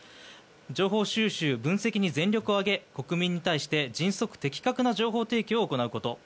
情報収集・分析に全力を挙げ国民に対して迅速・的確な情報提供を行うこと